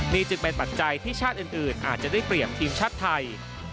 นี่จึงเป็นปัจจัยที่ชาติอื่นอาจจะได้เปรียบทีมชาติไทย